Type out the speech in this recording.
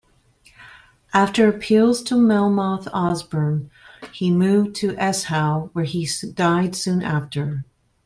After appeals to Melmoth Osborn he moved to Eshowe, where he died soon after.